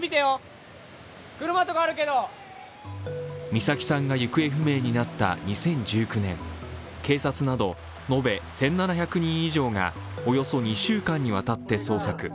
美咲さんが行方不明になった２０１９年、警察など、延べ１７００人以上が、およそ２週間にわたって捜索。